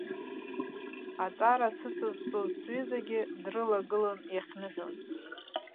Аҵара сыцызҵоз сҩызагьы дрылагылан иахьныҳәоз.